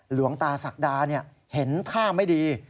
หลวงตาศักดาเห็นท่าไม่ดี